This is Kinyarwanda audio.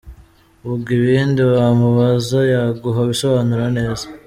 Ubwo ibindi wamubaza yaguha ibisobanuro neza.